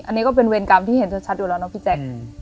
อันนี้ก็เป็นเวรกรรมที่เห็นชัดอยู่แล้วเนาะพี่แจ๊ค